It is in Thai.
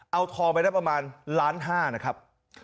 เอาทองไปได้ประมาณล้านห้านะครับ